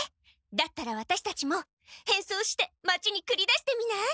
だったらワタシたちも変装して町にくり出してみない？